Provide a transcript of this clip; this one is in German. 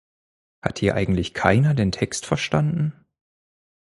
Hat hier eigentlich keiner den Text verstanden?